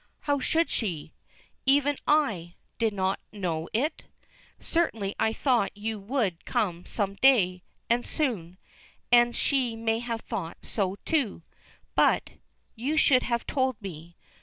"How should she? Even I did I know it? Certainly I thought you would come some day, and soon, and she may have thought so, too, but you should have told me.